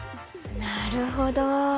なるほど。